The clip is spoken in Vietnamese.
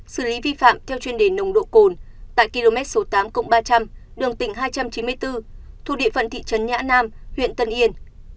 xử lý vi phạm theo chuyên đề nồng độ cồn tại km số tám ba trăm linh đường tỉnh hai trăm chín mươi bốn thuộc địa phận thị trấn nhã nam huyện tân yên